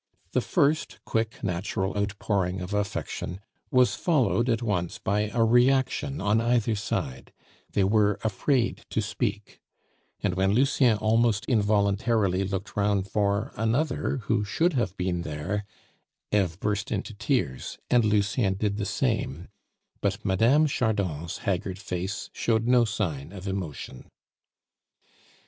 The first quick, natural outpouring of affection was followed at once by a reaction on either side; they were afraid to speak; and when Lucien almost involuntarily looked round for another who should have been there, Eve burst into tears, and Lucien did the same, but Mme. Chardon's haggard face showed no sign of emotion.